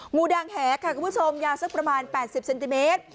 งูดังแหค่ะคุณผู้ชมยาวสักประมาณ๘๐เซนติเมตร